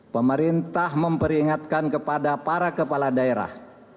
pemerintah memperingatkan kepada para kepala daerah